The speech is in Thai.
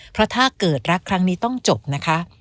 เพราะถ้าเกิดรักครั้งนี้ต้องจบนะคะ